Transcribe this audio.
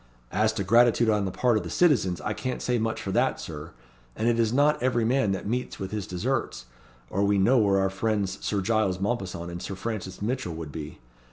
"As to gratitude on the part of the citizens, I can't say much for that, Sir. And it is not every man that meets with his desserts, or we know where our friends Sir Giles Mompesson and Sir Francis Mitchell would be.